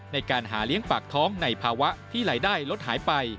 ในการหาเลี้ยงปากท้องในภาวะที่รายได้ลดหายไป